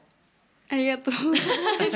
ありがとうございます。